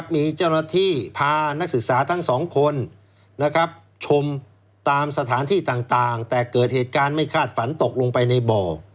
มีเจ้าหน้าที่พานักศึกษาทั้งสองคนชมตามสถานที่ต่างแต่เกิดเหตุการณ์ไม่คาดฝันตกลงไปในบ่อ